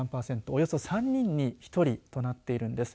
およそ３人に１人となっているんです。